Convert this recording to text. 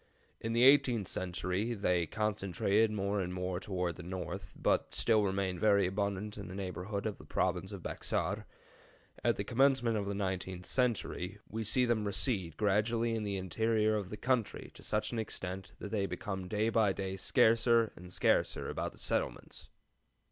In the eighteenth century they concentrated more and more toward the north, but still remained very abundant in the neighborhood of the province of Bexar. At the commencement of the nineteenth century we see them recede gradually in the interior of the country to such an extent that they became day by day scarcer and scarcer about the settlements.